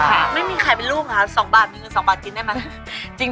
ค่ะไม่มีใครเป็นลูกค่ะ๒บาทมีกับ๒บาทกินได้มั้ย